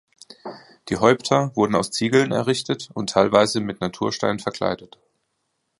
Die Häupter wurden aus Ziegeln errichtet und teilweise mit Naturstein verkleidet.